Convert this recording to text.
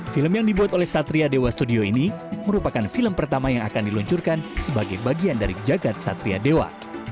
film yang dibuat oleh satria dewa studio ini merupakan film pertama yang akan diluncurkan sebagai bagian dari jagad satria dewa